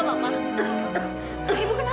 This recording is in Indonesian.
bu ambar apa